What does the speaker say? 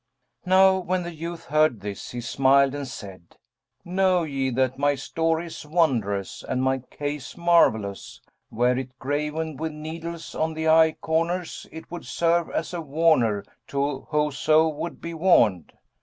Now when the youth heard this, he smiled and said, "Know ye that my story is wondrous and my case marvellous; were it graven with needles on the eye corners, it would serve as a warner to whoso would be warned."